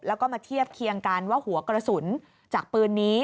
แล้วก็มาเทียบเคียงกันว่าหัวกระสุนจากปืนนี้